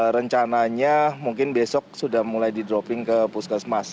rencananya mungkin besok sudah mulai di dropping ke puskesmas